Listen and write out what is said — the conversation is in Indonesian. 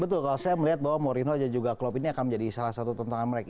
betul kalau saya melihat bahwa morino dan juga klopp ini akan menjadi salah satu tentangan mereka